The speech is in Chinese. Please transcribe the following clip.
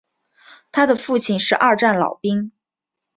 他的父亲是二战老兵。